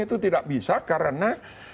itu tidak bisa karena